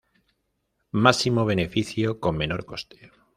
Máximo beneficio con menor coste.